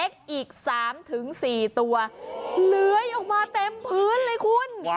ไกลออกมาเต็มพื้นเลยคุณ